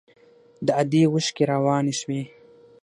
د ادې اوښکې روانې سوې.